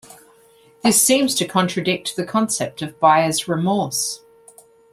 This seems to contradict the concept of buyer's remorse.